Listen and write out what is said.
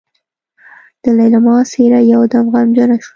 د ليلما څېره يودم غمجنه شوه.